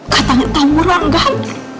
katanya tahu kurang gan